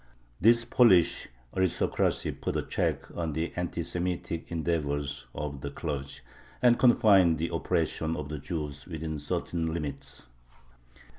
This Polish aristocracy put a check on the anti Semitic endeavors of the clergy, and confined the oppression of the Jews within certain limits.